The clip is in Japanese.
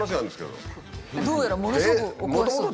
どうやらものすごくお詳しそう。